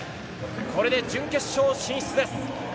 これで準決勝進出です。